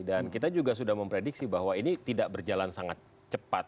dan kita juga sudah memprediksi bahwa ini tidak berjalan sangat cepat